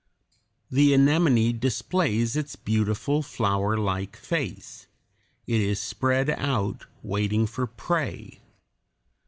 The anemone displays its beautiful flowerlike face; it is spread out, waiting for prey.